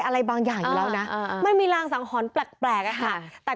อะไรบางอย่างอยู่แล้วนะมันมีรางสังหรณ์แปลกอะค่ะแต่